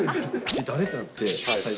誰？ってなって、最初。